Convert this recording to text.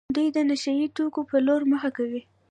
دوی د نشه يي توکو په لور مخه کوي.